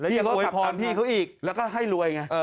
พี่ก็โยยพรพี่เขาอีกแล้วก็ให้รวยไง